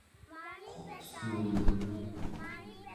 qurrsuun